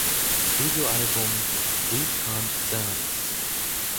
Studioalbum "We Can’t Dance".